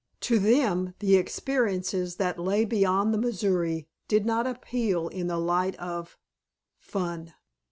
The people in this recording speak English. To them the experiences that lay beyond the Missouri did not appeal in the light of fun.